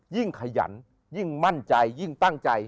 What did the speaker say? ขยันยิ่งมั่นใจยิ่งตั้งใจ